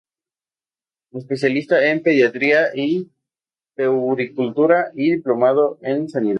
Especialista en pediatría y puericultura; y diplomado en sanidad.